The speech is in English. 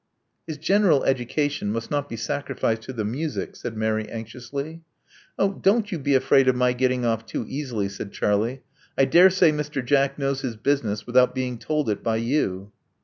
His general education must not be sacrificed to the music," said Mary anxiously. Oh! don't you be afraid of my getting off too easily," said Qharlie. I dare say Mr. Jack knows his business without being told it by you."